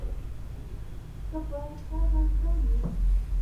که په چا ځان ګران وي